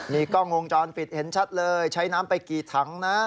มีกล้องวงจรปิดเห็นชัดเลยใช้น้ำไปกี่ถังนะ